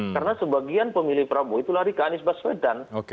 karena sebagian pemilih prabowo itu lari ke anies baswedan